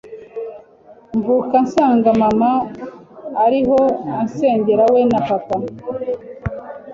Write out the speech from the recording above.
mvuka nsanga mma ariho asengera we na papa